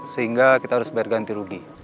sehingga kita harus bayar ganti rugi